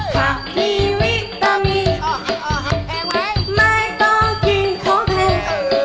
ขับมีวิตามีไม่ต้องกินของแผง